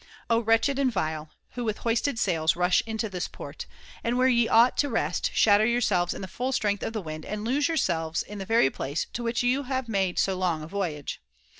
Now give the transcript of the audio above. Oh, wretched and vile, who with hoisted sails rush into this port, and where ye ought to rest shatter yourselves in the fall strength of the wind and lose yourselves in the very place to which ye have made so long a voyage